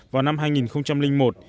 vào năm hai nghìn một